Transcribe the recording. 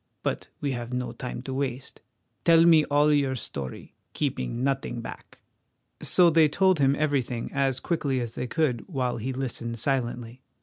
But we have no time to waste. Tell me all your story, keeping nothing back." So they told him everything as quickly as they could, while he listened silently.